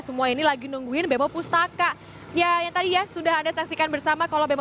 semua ini lagi nungguin bebo pustaka ya yang tadi ya sudah ada saksikan bersama kalau bebo